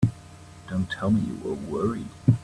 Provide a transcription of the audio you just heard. Don't tell me you were worried!